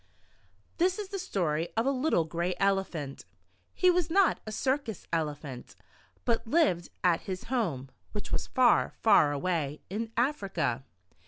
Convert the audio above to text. THIS is the story of a little gray Elephant. He was not a circus Elephant, but lived at his home, which was far, far away in Africa.